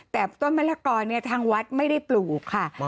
แต่ต้นมะละกอเนี่ยทางวัดไม่ได้ปลูกค่ะ